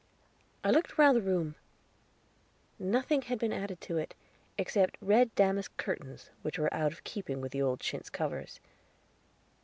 I looked round the room; nothing had been added to it, except red damask curtains, which were out of keeping with the old chintz covers.